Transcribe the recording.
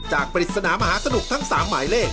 ปริศนามหาสนุกทั้ง๓หมายเลข